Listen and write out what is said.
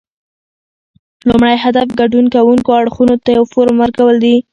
لومړی هدف ګډون کوونکو اړخونو ته یو فورم ورکول دي